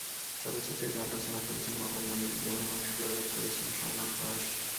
চলচ্চিত্রের গান রচনা করেছেন মোহাম্মদ মনিরুজ্জামান এবং সুরারোপ করেছেন সমর দাস।